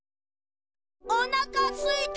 おなかすいた！